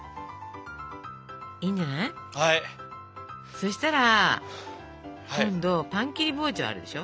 そしたら今度パン切り包丁あるでしょ。